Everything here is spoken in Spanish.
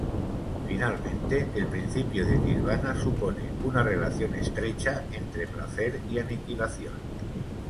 Finalmente, el principio de nirvana supone una relación estrecha entre placer y aniquilación.